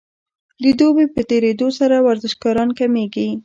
د دوبي په تیریدو سره ورزشکاران کمیږي